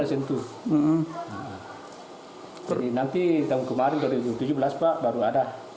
jadi nanti tahun kemarin dua ribu tujuh belas pak baru ada